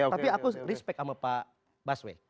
tapi aku respect sama pak busway